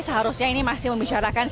seharusnya ini masih membicarakan